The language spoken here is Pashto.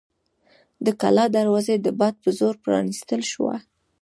د کلا دروازه د باد په زور پرانیستل شوه.